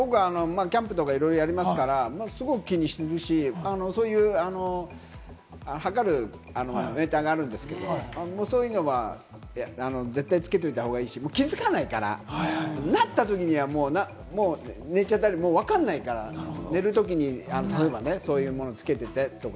僕はキャンプとかいろいろやりますから、すごく気にしてるし、そういうのを測るメーターがあるんですけど、そういうのは絶対つけておいたほうがいいし、気づかないから、なった時には寝ちゃったり、わからないから、寝る時に例えばね、そういうものをつけててとか。